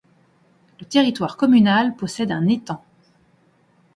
Le territoire communal possède un étang.